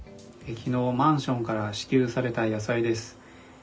昨日マンションから支給された野菜です。